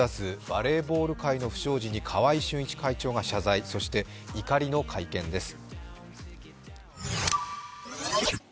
バレーボール界の不祥事に川合俊一会長が謝罪そして怒りの会見です。